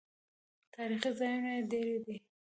تاریخي ځایونه یې ډیر دي.